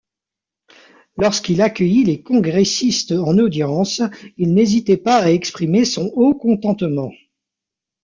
Lorsqu'il accueillit les congressistes en audience, il n'hésitait pas à exprimer son haut contentement.